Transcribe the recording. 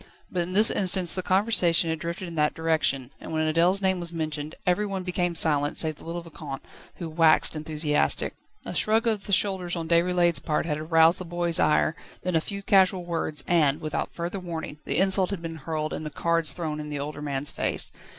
But in this instance the conversation had drifted in that direction, and when Adèle's name was mentioned, every one became silent, save the little Vicomte, who waxed enthusiastic. A shrug of the shoulders on Déroulède's part had aroused the boy's ire, then a few casual words, and, without further warning, the insult had been hurled and the cards thrown in the older man's face.